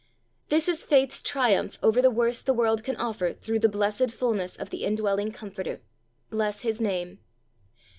'" This is faith's triumph over the worst the world can offer through the blessed fullness of the indwelling Comforter. Bless His Name!